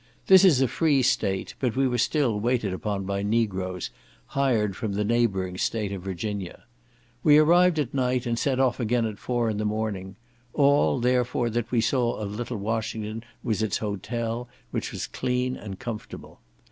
This is a free state, but we were still waited upon by Negroes, hired from the neighbouring state of Virginia. We arrived at night, and set off again at four in the morning; all, therefore, that we saw of Little Washington was its hotel, which was clean and comfortable.